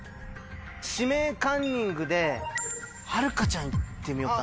「指名カンニング」ではるかちゃん行ってみようか。